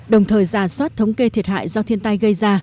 đồng thời giả soát thống kê thiệt hại do thiên tai gây ra